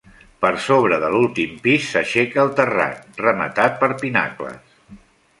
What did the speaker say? Per sobre de l'últim pis s'aixeca el terrat, rematat per pinacles.